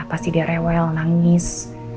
pasti dia rewel nangis